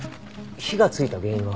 火がついた原因は。